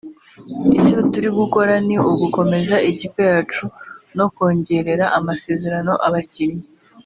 Icyo turi gukora ni ugukomeza ikipe yacu no kongerera amasezerano abakinnyi